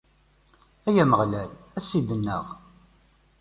Ay Ameɣlal, a Ssid-nneɣ!